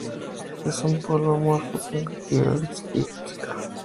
Es un polvo amorfo con actividad citotóxica.